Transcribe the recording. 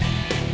saya yang menang